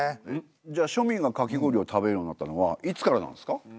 じゃあ庶民がかき氷を食べるようになったのはいつからなんですか？